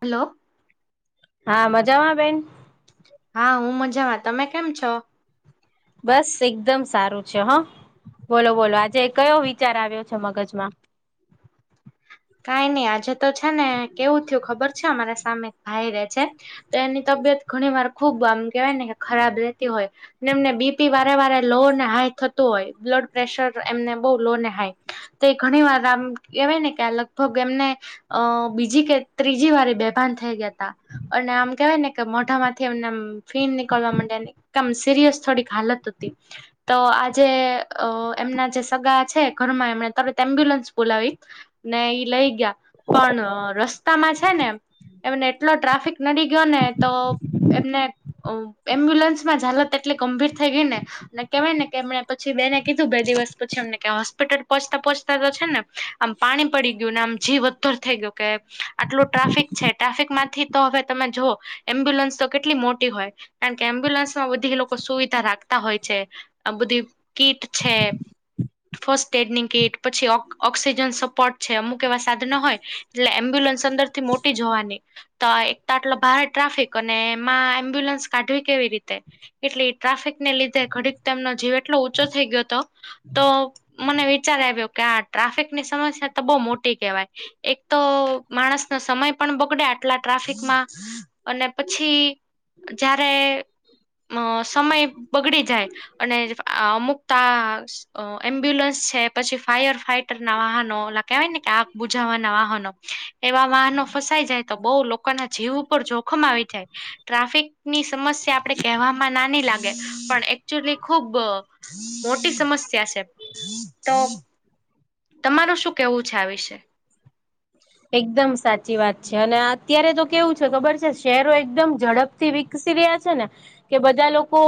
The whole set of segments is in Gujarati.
હલો હા મજામાં બેન? હા હું મજામાં. તમે કેમ છો? બસ એકદમ સારું છે હા. બોલો બોલો આજે કયો વિચાર આવ્યો છે મગજમાં? કાઈ નહી આજે તો છે ને કેવું થયું ખબર છે, અમારા સામે ભાઈ રે છે. તો એની તબિયત ઘણી વાર ખુબ આમ કેવાય ને કે ખરાબ રહેેતી હોય. ને એમને બીપી વારે વારે લો ને હાઈ થતું હોય. બ્લડ પ્રેશર એમને બહુ લો ને હાઈ તો એ ઘણી વાર આમ કહેવાય ને કે લગ ભગ એમને અ બીજી કે ત્રીજી વાર ઈ બેભાન થઈ ગયાતા. અને આમ કેવાય ને કે મોઢામાંથી એમને ફીન નીકળવા માંડયા ની કમ સિરિયસ થોડીક હાલત હતી. તો આજે અ એમના જે સગા છે ઘરમાં એમણે તરત એમ્બ્યુલન્સ બોલાવી. ને ઈ લઈ ગયા પણ રસ્તામાં છે ને એમને એટલો ટ્રાફિક નડી ગયો ને તો એમને એમ્બ્યુલન્સમાં જાલત એટલી ગંભીર થઈ ગઈ ને કેહેવાય કે એમ પછી બેને કીધું બે દિવસ પછી એમને હોસ્પિટલ પોચતા પોહચતા તો છે ને આમ પાણી પડી ગયું ને આમ જીવ વધર થઈ ગયો. કે આટલું ટ્રાફિક છે ટ્રાફિક માંથી. તો હવે તમે જો એમ્બ્યુલન્સ તો કેટલી મોટી હોય. કારણ કે એમ્બ્યુલન્સમાં બધી લોકો સુવિધા રાખતા હોય છે. આ બધી કીટ છે. ફર્સ્ટ એડની કીટ પછી ઓક્સિજન સપોર્ટ છે અમુક એવા સાધનો હોય એટલે એમ્બ્યુલન્સ અંદર થી મોટી જ હોવાની. તો એક તો આટલો ભારે ટ્રાફિક અને એમાં એમ્બ્યુલન્સ કાઢવી કેવી રીતે. એટલે ટ્રાફિકને લીધે ઘડીક તેમનો જીવ એટલો ંચો થઈ ગયો હતો. તો મને વિચાર આવ્યો કે આ ટ્રાફિક ની સમસ્યા તો બહુ મોટી કહેવાય. એક તો માણસ ન સમય પણ બગડે આટલા ટ્રાફિકમાં અને પછી જારે અ સમય બગડી જાય. અને અમુકતા એમ્બ્યુલન્સ છે પછી ફાયર ફાઈટર ના વાહનો લાગ કવાય ને કે આગ બુજાવાના વાહનો એવા વાહનો ફસાઈ જાય તો બહુ લોકો. લોકો ના જીવ ઉપર જોખમ આવી જાય ટ્રાફિક ની સમસ્યા આપડે કહેવામાં નાની લાગે. પણ એકચુલી ખુબ મોટી સમસ્યા છે તો તમારું શું કેવું છે આ વિશે. એકદમ સાચી વાત છે અને અત્યારે તો કેવું છે ખબર છે શહેરો એકદમ ઝડપથી ઈછી દયા છે. કે બધા લોકો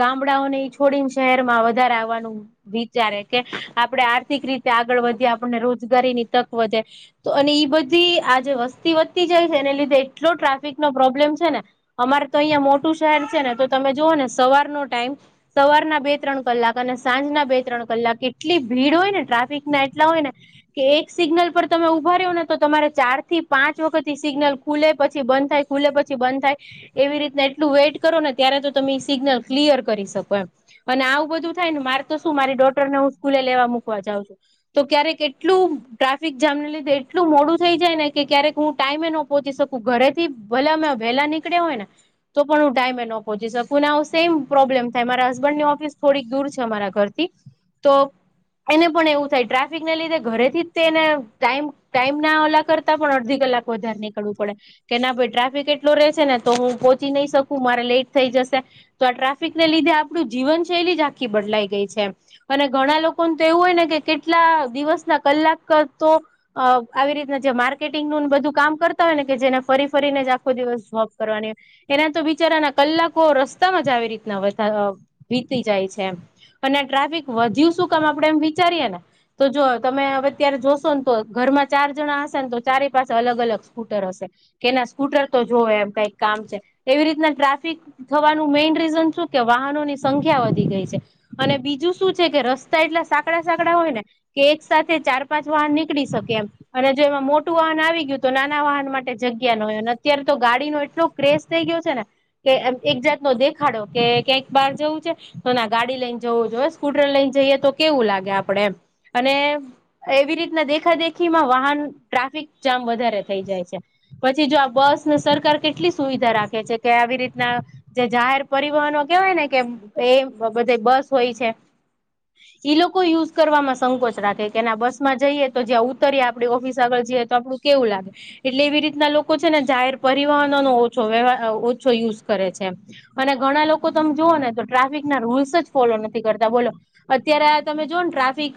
ગામડાઓને છોડીને શહેર માં વધારે આવવાનું. વિચારે કે આપડે આર્થિક રીતે આગળ વધીએ આપણને રોજગારી ની તક વધે તો અને ઈ બધી આજે વસ્તી વધતી જાય છે એને લીધે એટલો ટ્રાફિક નો પ્રોબ્લેમ છે ને અમારે તો અહિયાં મોટું શહેર છે ને તો તમે જુઓ ને સવારનો ટાઈમ સવારના બે ત્રણ કલાક અને સાંજના બે ત્રણ કલાક એટલી ભીડ હોય ને ટ્રાફિક ના એટલા હોય ને કે એક સિગ્લ પર તમે ઉભર્યો ને તો તમારે ચાર થી પાંચ વખત સિગ્નલ ખુલે પછી બંધ થાય ખુલે પછી બંધ થાય. એવી રીતને એટલું વેઇટ કરો ને ત્યારે તો તમે સિગ્નલ ક્લિયર કરી શકો એમ. અને આવું બધું થાય ને મારે તો શું મારી ડોટર ને હું સ્કૂલે લેવા મૂકવા જાઉં છું. તો ક્યારે કેટલું ટ્રાફિક જામ ને લીધું. એટલું મોડું થઈ જાય ને કે ક્યારેક હું ટાઈમે ન પહોંચી શકું ઘરે થી ભલે અમે વહેલા નીકળ્યા હોય ને. તો પણ હું ડાયમે ન પહોંચી શકું ને આવું સેમ પ્રોબ્લેમ થાય મારા હસબન્ડની ઓફિસ થોડીક દૂર છે અમારા ઘરથી. તો એને પણ એવું થાય ટ્રાફિકને લીધે ઘરેથી જ તેને ટાઈમ ટાઈમ ના ઓલા કરતા પણ અડધી કલાક વધારે નીકળવું પડે કે ના ભાઈ ટ્રાફિક એટલો ર રહેશે ને તો હું પહોંચી નઈ શકું મારે લેટ થઈ જશે. તો આ ટ્રાફિકને લીધે આપણું જીવનશૈલી જ આખી બદલાઈ ગઈ છે. અને ઘણા લોકો તો એવું હોય ને કે કેટલા દિવસ ના કલાક તો. અ આવી રીતના જે માર્કેટિંગનું બધું કામ કરતા હોય ને કે જેને ફરી ફરીને જ આખો દિવસ જોબ કરવાની. એના તો બિચારાના કલાકો રસ્તામાં જ આવી રીતના વીતી જાય છે. અને ટ્રાફિક વધ્યું શું કામ આપડે એમ વિચારીએે ને તો જો તમે હવે અત્યારે જોશો ને તો ઘરમાં ચાર જણા હશે ને તો ચારે પાસે અલગ અલગ સ્કૂટર હશે. કેના સ્કૂટર તો જોવે એમ કઈક કામ છે એવી રીતના ટ્રાફિક થવાનું મેઈન રીઝન શું કે વાહનોની સંખ્યા વધી ગઈ છે. અને બીજું શું છે કે રસ્તા એટલા સાકડા સાકડા હોય ને કે એક સાથે ચાર પાંચ વાહન ની નીકડી શકે એમ. અને જો એમાં મોટું વાહન આવી ગયું તો નાના વાહન માટે જગ્યા ન હોય અને અત્યારે તો ગાડીનો એટલું ક્રેસ થઈ ગયો છે ને કે એમ એક જાત નો દેખાડો કે ક્યાંક બહાર જવું છે. તો ના ગાડી લઈને જવું જો. સ્કૂટર લઈને જઈએ તો કેવું લાગે આપડે અને એવી રીતના દે દેખા-દેખી માં વાહન ટ્રાફિક જામ વધારે થઈ જાય છે. પછી જો આ બસને સરકાર કેટલી સુવિધા રાખે છે કે આવી રીતના જે જાહેર પરિવહનો કેવાય ને કે એ બધ બસ હોય છે. ઈ લોકો યુઝ કરવાવામાં સંકોચ રાખે કેના બસ માં જઈએ. તો જ્યા ઉતરીએ આપડી ઓફિસ આગળ જઈએ, તો આપળુ કેવું લાગે. એટલે એવી રીતના લોકો છે ને જાહેર પરિવહનો નો ઓછો વહેવા ઓછો યુઝ કરે છે. અને ઘણા લોકો તમે જુઓ ને તો ટ્રાફિક ના રૂલ્સ જ ફોલો નથી કરતા, બોલો. અત્યારે તમે જોઓ ને ટ્રાફિક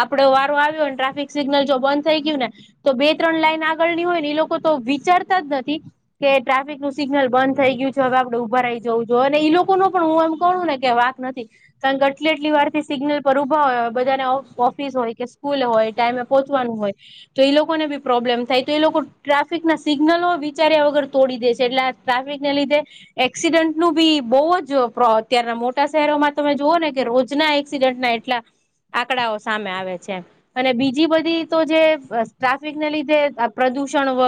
આપડો વારો આવ્યોને ટ્રાફિક સિગ્નલ જો બંધ થઈ ગીયું ને તો, બે ત્રણ લાઈન આગળની હોય ને એ લોકો તો વિચારતા જ નથી. કે ટ્રાફિક નું સિગ્નલ બંધ થઈ ગીયું છે, હવે આપડે ઉભા રઈ જવું જો અને ઈ લોકો નુ પણ હું એમ કણુ ને કે વાંક નથી. સંગ અટલે એટલી વાર થી સિગ્નલ પર ઊભા હોય બધાને ઓફિસ હોય કે સ્કૂલ હોય. ટાઈમે પોચવાનું હોય, તો ઈ લોકોને બી પ્રોબ્લેમ થાય તો, ઈ લોકો ટ્રાફિક ના સિગ્નલો વિચાર્યા વગર તોડી દે છે એટલે ટ્રાફિક ને લીધે એક્સિડન્ટનું બી બોવ જ પ્રો અત્યારના મોટા શહેરોમાં તમે જુઓ ને કે રોજના એક ક્સિડેન્ટ ના એટલા આંકડાઓ સામે આવે છે. અને બીજી બધી તો જે ટ્રાફિકને લીધે અ પ્રદુષણ વ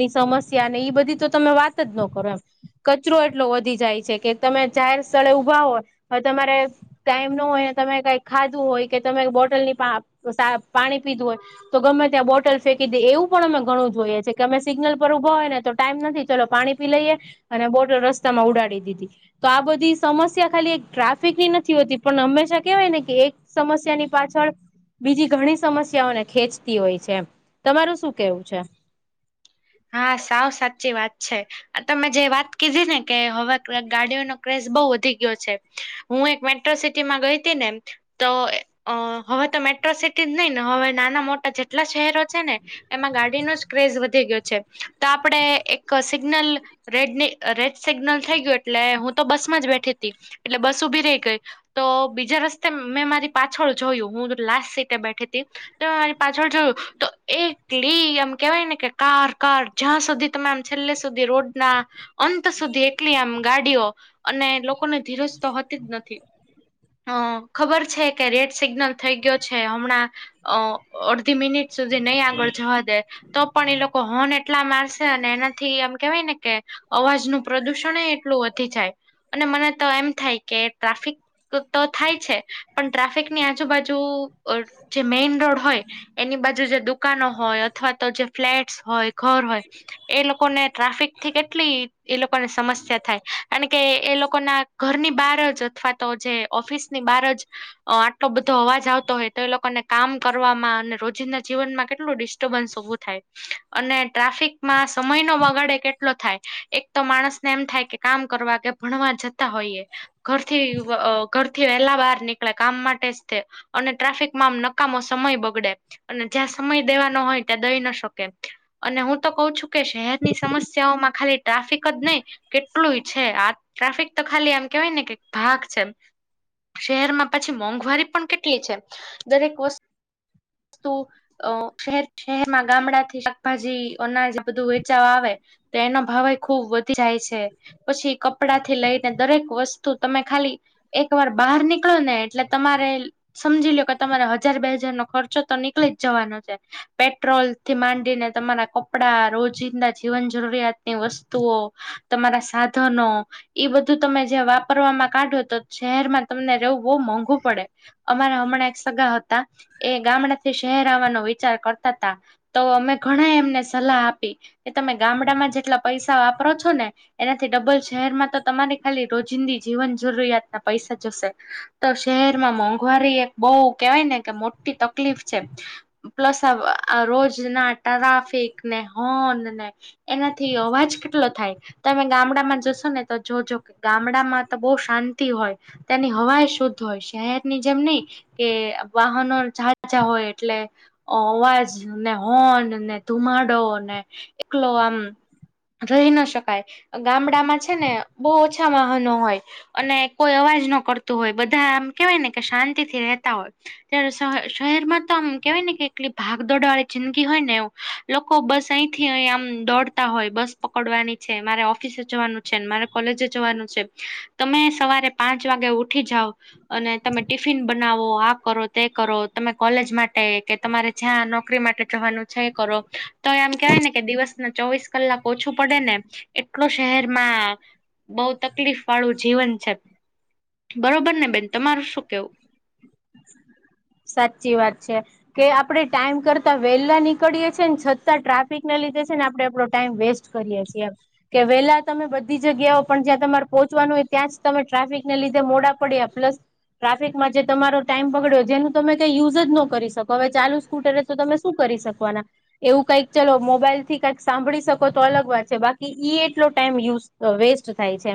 ની સમસ્યા ને ઈ બધી તો તમે વાત જ ન કરો એમ. કચરો એટલો વધી જાય છે કે, તમે જાહેર સ્થળે ઊભા હોય અવે તમારે ટાઈમ ન હોયને તમે કઈક ખાધું હોય કે, તમે બોટલ ની પા સા પાણી પીધું હોય. તો ગમે ત્યાં બોટલ ફેંકી દે એવું પણ અમે ઘણું જોઈએ છે, કે અમે સિગ્નલ પર ઉભા હોય ને તો ટાઈમ નથી ચલો પાણી પી લઈએ અને બોટર રસ્તામાં ઉડાડી દીધી. તો આ બધી સમસ્યા ખાલી ટ્રાફિક ની નથી હોતી પણ હંમેશા કેવાય ને કે એક સમસ્યા ની પાછળ બીજી ઘણી સમસ્યાઓને ખેંચતી હોય છે એમ. મારું શું કેવું છે? હા, સાવ સાચી વાત છે. અન તમે જે વાત કીધી ને કે હવે ગાડીઓનો ક્રેઝ બવ વધી ગીયો છે. હું એક મેટો સિટી માં ગઈ તી ને તો અ હવે તો મેટો સિટી તી નઈ ને હવે નાના મોટા જેટલા શહેરો છે ને, એમાં ગાડીનો જ ક્રેઝ વધી ગીયો. છે. ત આપડે એક સિગ્નલ રેડની રેડ સિગ્નલ થઈ ગીયું એટલે હું તો બસ માં જ બેઠી તી એટલે બસ ઊભી રઈ ગઈ. તો બીજા રસ્તે મેં મારી પાછળ જોયું, હું લાસ્ટ સીટે બેઠી તી. તમે મારી પાછળ જોયું, તો એકલી એમ કેવાય ને કે કાર કાર ઝા સુધી તમે આમ છેલ્લે સુધી રોડ ના અંત સુધી એકલી આમ ગાડીઓ. અને લોકોને ધીરજ તો હોતી જ નથી. હ ખબર છે, કે રેડ સિગ્નલ થઈ ગીયો છે હમણાં. અ અડધી મિનિટ સુધી નય આગળ જવા દે, તો પણ એ લોકો હોન એટલા મારસે અને એનાથી આમ કેવાય ને કે અવાજ નું પ્રદુષણયે એટલું વધી જાય અને મને તો એમ થાય કે ટ્રાફિક ત તો થાય છે, પણ ટ્રાફિકની આજુબાજુ જે મેઈન રોડ હોય. એની બાજુ જે દુકાનો હોય અથવા તો જે ફ્લેટસ હોય, ઘર હોય. એ લોકોને ટ્રાફિક થી કેટલી એ લોકોને સમસ્યા થાય અન કે એ લોકો ના ઘરની બાર જ અથવા તો જે ઓફિસની બાર જ અ આટલો બધો અવાજ આવતો હોય, તો એ લોકોને કામ કરવામાં અને રોજિંદા જીવનમાં કેટલું ડિસ્ તો બન્સ ઊભુ થાય. અને ટ્રાફિકમાં સમય નો વગાડે કેટલો થાય, એક તો માણસને એમ થાય કે કામ કરવા કે ભણવા જતા હોઈએ. ઘરથી ઘર થી વેલા બાર નીકળે કામ માટે જ તે અને ટ્રાફિક માંમ નકામો સમય બગડે. અને ઝાં સમય દેવાનો હોય ત્યાં દઈ ન શકે. અને હું તો કઉ છું કે શહેરની સમસ્યાઓમાં ખાલી ટ્રાફિક જ નહી કેટલું છે આ ટ્રાફિક તો ખાલી આમ કેવાય ને કે ભાગ છે એ શહેરમાં પછી મોંઘવારી પણ કેટલી છે દરેક વસ્તુ વુ શર શહેરમાં ગામડા થી શાકભાજી અનાજ બધું વેચાવા આવે તો એના ભાવ એ ખુબ વધી જાય છે પછી કપડા થી લઈને દરેક વસ્તુ તમે ખાલી એક વાર બહાર નીકળો ને એટલે તમારે સમજી લો કે તમારે હજાર બે હજાર નો ખર્ચો તો નીકળી જ જવાનો છે. પેટ્રોલ થી માંડીને તમારા કપડા રોજિંદા જીવન જરૂરિયાતની વસ્તુઓ તમારા સાધનો બધું તમે જે વાપરવામાં કાઢો તો શહેરમાં તમને રહેવું બહુ મોંઘું પડે અમારા હમણાં એક સગા હતા. એ ગામડા થી શહેર આવવાનો વિચાર કરતા હતા તો અમે ઘણા એ એમને સલાહ આપી કે તમે ગામડામાં જેટલા પૈસા વાપરો છો ને એનાથી ડબલ શહેરમાં તો તમારી ખાલી રોજિંદી જીવન જરૂરિયાતના પૈસા જશે તો શહેરમાં મોંઘવારી એક બહ કેવાય ને કે મોટી તકલીફ છે. પ્લસ રોજ ના ટ્રાફિક ને હોર્ન ને એનાથી અવાજ કેટલો થાય. તમે ગામડામાં જશો ને તો જોજો કે ગામડામાં તો બહ શાંતિ હોય તેની હવાઈ શુદ્ધ હોય શહેરની જેમ નહી કે વાહનો ચાલજા હોય એટલે અવાજ ને હોર્ન ને ધુમાડો ને એકલો આમ રહી ન શકાય ગામડામાં છે ને બહુ ઓછા વાહનો હોય. અને કોઈ અવાજ ન કરતું હોય બધા આમ કેવાય ને કે શાંતિ થી રહેતા હોય. ત્યારે શહેરમાં તો આમ કેવાય ને કેટલી ભાગદોડ વાળી જિંદગી હોય ને એવ લોકો બસ અહી થી અહી આમ દોડતા હોય બસ પકડવાની છે મારે ઓફિસે જવાનું છેને મારે કોલેજ જવાનું છે તમે સવારે પાંચ વાગે ઉઠી જાઓ અને તમે ટિફિન બનાવો આ કરો તે કરો તમે કોલેજ માટે કે તમારે જ્યાં નોકરી માટે જવાનું છે કરો તો એમ કેવાય ને કે દિવસ ચોવીસ કલાક ઓછું પડે ને એટલો શહેરમાં બઉ તકલીફ વાળું જીવન છે બરોબર ને બેન તમારું શું કેવું? સાચી વાત છે. કે આપડણે ટાઈમ કરતા વેહેલા નીકળીએેીએ ને છતાં ટ્રાફિક ના લીધે છે ને આપડે આપડો ટાઈમ વેસ્ટ કરીએ છીએમ કે વેહેલા તમે બધી જગ્યાઓ પણ જ્યાં તમારે પહોંચવાનું હોય ત્યાં જ તમે ટ્રાફિકને લીધે મોડા પડ્યા પ્લસ ટ્રાફિકમાં જે તમારો ટાઈમ પગડ્યો જેનું તમે કઈ યુઝ જ ન કરી શકો હવે ચાલુ સ્કૂટર તો તમે શું કરી શકવાના એવું કઈક ચલો મોબાઈલ થી કઈક સાંભળી શકો તો અલગ વાત છે બાકી ઈ એટલો ટાઈમ યુઝ તો વેસ્ટ થાય છે.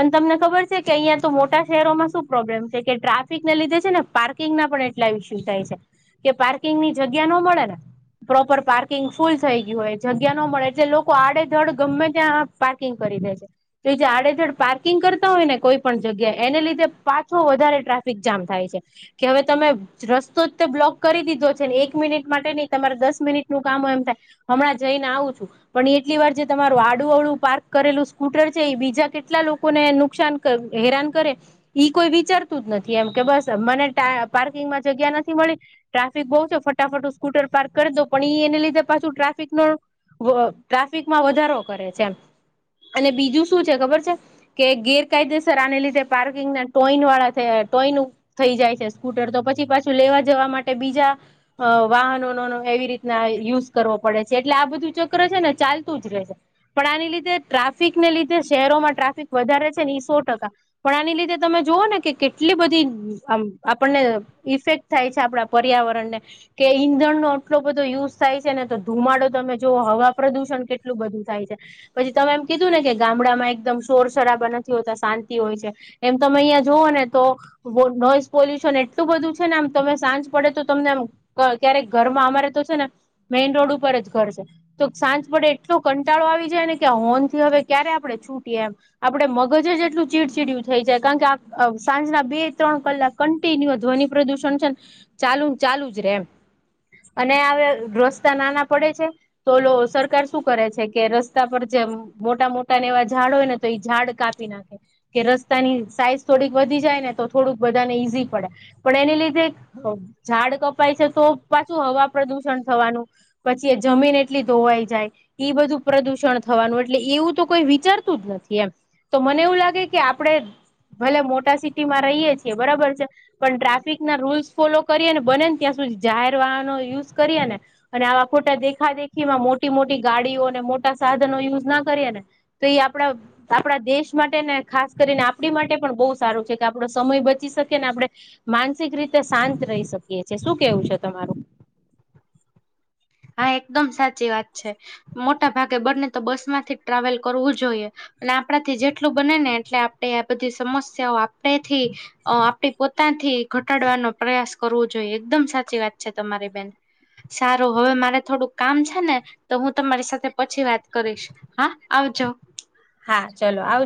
અને તમને ખબર છે કે અહિયાં તો મોટા શહેરોમાં શું પ્રોબ્લેમ છે કે ટ્રાફિકને લીધે છે ને પાર્કિંગ ના પણ એટલા વિ શું થાય છે કે પાર્કિંગ ની જગ્યા ન મળે ને પ્રોપર પાર્કિંગ ફૂલ થઈ ગયું હોય જગ્યા ન મળે એટલે લોકો આડેધડ ગમે ત્યાં પાર્કિંગ કરી દે છે. તો એજ આડેધડ પાર્કિંગ કરતા હોય ને કોઈ પણ જગ્યા એને લીધે પાછો વધારે ટ્રાફિક જામ થાય છે. કે હવે તમે રસ્તો જ તે બ્લોક કરી દીધો છે ને એક મિનિટ માટે નહી તમારે દસ મિનિટ નું કામ એમ થાય. હમણાં જઈને આવું છું. પણ એટલી વાર જે તમારું આડુ ઓળું પાર્ક કરેલું સ્કૂટર છે એ બીજા કેટલા લોકોને નુકસાન હેરાન કરે કોઈ વિચારતું જ નથી એમ કે બસ મને પાર્કિંગમાં જગ્યા નથી મળી ટ્રાફિક બહુ છે ફટાફટ હું સ્કૂટર પાર્ક કર દઉં પણ એઈ એને લીધે પાછું ટ્રાફિક નો ટ્રાફિકમાં વધારો કરે છે એમ. અને બીજું શું છે ખબર છે? કે ગેરકાયદેસર આને લીધે પાર્કિંગના ટોઈન વાળા, છે ટોઈન ઉપ થઈ જાય છે સ્કૂટર તો પછી પાછું લેવા જવા માટે બીજા અ વાહનોનો એવી રીતના યુઝ કરવો પડે છે. એટલે આ બધું ચક્ર છે ને ચાલતું જ રહે છે. પણ આની લીધે ટ્રાફિક ને લીધે શહેરોમાં ટ્રાફિક વધારે છે ને ઈ સો ટકા. પણ આની લીધે તમે જુઓ ને કે કેટલી બધી આમ આપણને ઇફેક્ટ થાય છે આપણા પર્યાવરણને. કે ઈંધણનો આટલો બધો યુઝ થાય છેને તો ધુમાડો તમે જોવો હવા પ્રદુષણ કેટલું બધું થાય છે. પછી તમે એમ કીધું ને કે ગામડામાં એકદમ શોરશરાબા નથી હોતા, શાંતિ હોય છે. એમ તમે અહિયા જોવોને તો વો નોઈઝ પોલ્યુશન એટલું બધું છ છે ને આમ તમે સાંજ પડે તો તમને આમ ક્યારેક ઘરમાં અમારે તો છે ને. મેઈન રોડ ઉપર જ ઘર છે. તો સાંજ પડે એટલો કંટાળો આવી જાય ને કે હોર્નથી હવે ક્યારે આપણે છૂટીએ એમ. આપડે મગજ જ એટલું ચીડચીડયુ થઈ જાય કાણ કે આ સાંજના બે ત્રણ કલાક કન્ટિન્યુ આ ધ્વનિ પ્રદૂષણ છે ને ચાલુ ન ચાલુ જ રે એમ. અને હાવે રસ્તા નાના પડે છે. તોલો સરકાર શું કરે છે કે રસ્તા પર જે મોટા મોટાને એવા ઝાડ હોય ને તે ઈ ઝાડ કાપી નાખે. કે રસ્તાની સાઈઝ થોડીક વધી જાયને તો થોડુંક બધાને ઈઝી પડે. પણ એને લીધે બ ઝાડ કપાય છે તો પાછું હવા પ્રદુષણ થવાનું. પછી એ જમીન એટલી ધોવાઈ જાય. ઈ બધું પ્રદુષણ થવાનું એટલે એવું તો કોઈ વિચારતું જ નથી એમ. તો મને એવું લાગે કે આપડે ભલે મોટા સિટીમાં રહીએ છીએ બરાબર છે. પણ ટ્રાફિકના રૂલ્સ ફોલો કરીએ ને બને ને ત્યાં સુધી જાહેર વાહનો યુઝ કરીએ ને અને આવા ખોટા દેખાદેખીમાં મોટી મોટી ગાડીઓ અને મોટા સાધનો યુઝ ના કરીએ ને. તો એ આપડા આપડા દેશ માટે ને ખાસ કરીને આપણી માટે પણ બહુ સારું છે કે આપડો સમય બચી શકે ને આપણે માનસિક રીતે શાંત રહી શકીએ છે. શું કેવું છે તમારું? હા એકદમ સાચી વાત છે. મોટા ભાગે બને તો બસમાંથી જ ટ્રાવેલ કરવું જોઈએ. અને આપણાથી જેટલું બને ને એટલે આપણે આ બધી સમસ્યાઓ આપણેથી અ આપડી પોતાથી ઘટાડવાનો પ્રયાસ કરવું જોઈએ. એકદમ સાચી વાત છે તમારી બેન સારું. હવે મારે થોડુંક કામ છે ને તો હું તમારી સાથે પછી વાત કરીશ. હા આવજો. હા ચલો આવજ